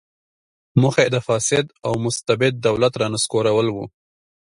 موخه یې د فاسد او مستبد دولت رانسکورول و.